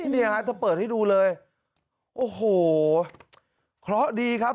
นี่ฮะเธอเปิดให้ดูเลยโอ้โหคล้อดีครับ